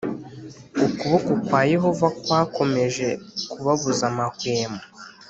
Ukuboko kwa Yehova kwakomeje kubabuza amahwemo